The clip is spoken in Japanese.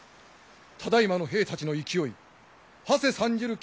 ただいまの兵たちの勢いはせ参じる